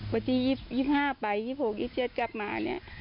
สักที๒๕ไป๒๖อีก๗กลับมาเนี่ย